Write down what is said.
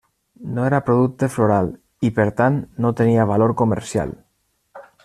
No era producte floral, i per tant no tenia valor comercial.